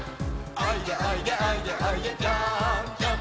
「おいでおいでおいでおいでぴょーんぴょん」